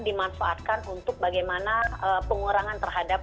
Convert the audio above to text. dimanfaatkan untuk bagaimana pengurangan terhadap